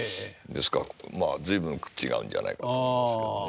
ですからまあ随分違うんじゃないかと思うんですけどね。